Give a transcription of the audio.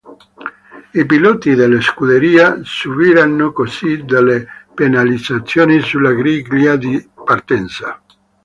I piloti della scuderia subiranno così delle penalizzazioni sulla griglia di partenza.